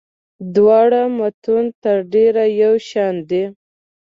دواړه متون تر ډېره یو شان دي.